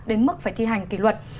đến mức phải thi hành kỷ luật